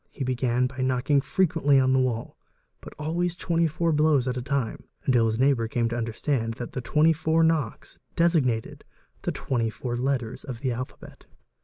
He began by knocking frequently on the wall, but always 24 blows at a time, until his neighbour came to understand that the 24 knocks designated the 24 letters of the alphabet.